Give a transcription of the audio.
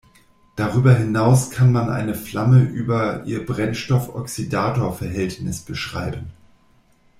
Darüber hinaus kann man eine Flamme über ihr Brennstoff-Oxidator-Verhältnis beschreiben.